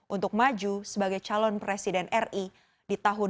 untuk maju sebagai calon presiden ri di tahun dua ribu dua puluh